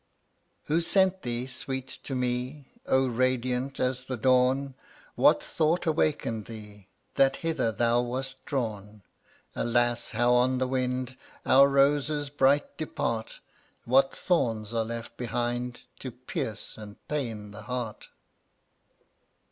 120 Who sent thee, Sweet, to me, Oh, radiant as the dawn? What Thought awakened thee That hither thou wast drawn? Alas! how on the wind Our roses bright depart! What thorns are left behind To pierce and pain the heart!